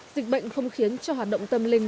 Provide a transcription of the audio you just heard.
dịch bệnh không khiến cho hoạt động tâm linh